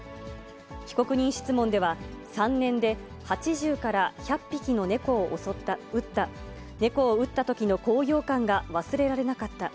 被告人質問では３年で８０から１００匹の猫を撃った、猫を撃ったときの高揚感が忘れられなかった。